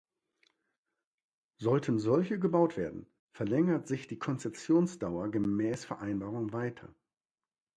Sollten solche gebaut werden, verlängert sich die Konzessionsdauer gemäß Vereinbarung weiter.